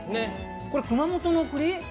これ、熊本のくり？